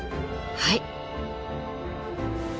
はい。